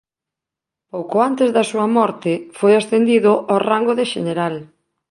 Pouco antes da súa morte foi ascendido ao rango de xeneral.